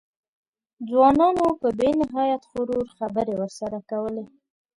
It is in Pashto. ځوانانو په بې نهایت غرور خبرې ورسره کولې.